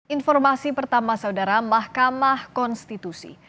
informasi pertama saudara mahkamah konstitusi